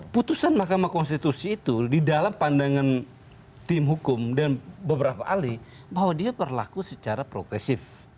putusan mahkamah konstitusi itu di dalam pandangan tim hukum dan beberapa ahli bahwa dia berlaku secara progresif